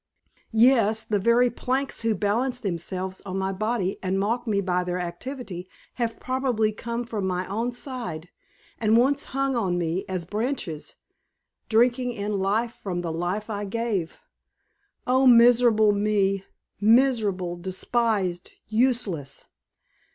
Yes, the very planks who balance themselves on my body, and mock me by their activity, have probably come from my own side, and once hung on me as branches, drinking in life from the life I gave. Oh miserable me! miserable, despised, useless!"